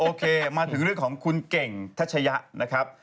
โอเคมาถึงเรื่องของคุณเก่งทัชยะนะครับ